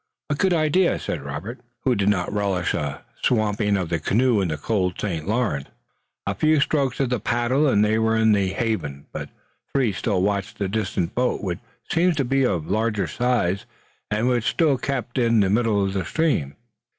"A good idea," said Robert, who did not relish a swamping of the canoe in the cold St. Lawrence. A few strokes of the paddle and they were in the haven, but the three still watched the distant boat, which seemed to be of large size, and which still kept in the middle of the stream.